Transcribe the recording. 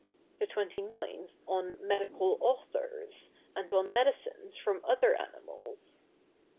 The 29th on Medical Authors, and on Medicines from other Animals.